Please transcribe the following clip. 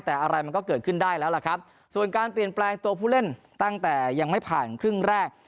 แต่อะไรมันก็เกิดขึ้นได้แล้วล่ะครับส่วนการเปลี่ยนแปลงตัวผู้เล่นตั้งแต่ยังไม่ผ่านครึ่งแรก